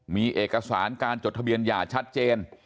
มีเอกสารการจดทะเบียนหย่าชัดเจน